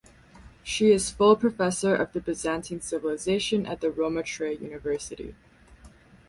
She is full professor of Byzantine Civilization at the Roma Tre University.